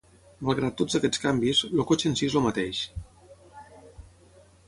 Malgrat tots aquests canvis, el cotxe en si és el mateix.